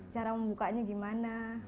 cara membukanya gimana